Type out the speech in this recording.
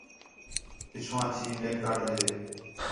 پچھؤواں تھی میک تَڑ ݙے